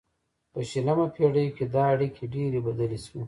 په شلمه پیړۍ کې دا اړیکې ډیرې بدلې شوې